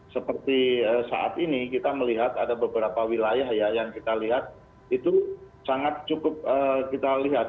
seperti saat ini kita melihat ada beberapa wilayah ya yang kita lihat itu sangat cukup kita lihat